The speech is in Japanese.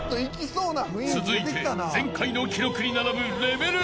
［続いて前回の記録に並ぶ］